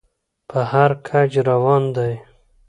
په هر کچ روان دى.